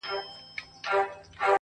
دا ځلي غواړم لېونی سم د هغې مینه کي.